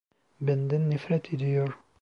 Benden nefret ediyor.